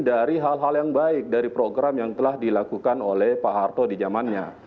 dari hal hal yang baik dari program yang telah dilakukan oleh pak harto di zamannya